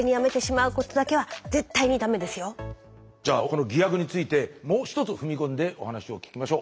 じゃあこの偽薬についてもうひとつ踏み込んでお話を聞きましょう。